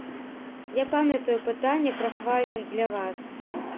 Я памятаю пытанне пра хвалю для вас.